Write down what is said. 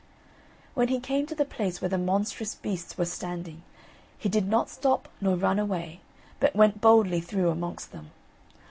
When he came to the place where the monstrous beasts were standing, he did not stop nor run away, but went boldly through amongst them.